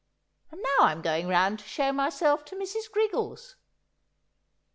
And now I'm going round to show myself to Mrs. Griggles."